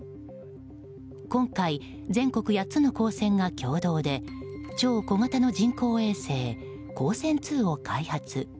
今回、全国８つの高専が共同で超小型の人工衛星「ＫＯＳＥＮ‐２」を開発。